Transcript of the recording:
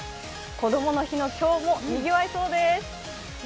こどもの日の今日もにぎわいそうです。